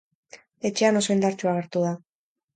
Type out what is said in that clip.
Etxean oso indartsu agertu da.